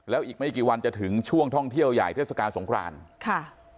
แล้วอีกไม่กี่วันจะถึงช่วงท่องเที่ยวใหญ่เทศกาลสงครานค่ะ